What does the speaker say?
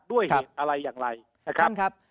ด้วยเหตุอะไรอย่างไรนะครับ